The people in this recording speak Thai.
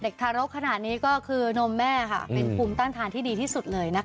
ทารกขนาดนี้ก็คือนมแม่ค่ะเป็นภูมิต้านทานที่ดีที่สุดเลยนะคะ